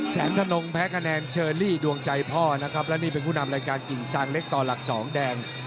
แสนทนงแพ้คะแนนเชอรี่ดวงใจพ่อนะครับและนี่เป็นผู้นำรายการกิ่งซางเล็กต่อหลักสองแดง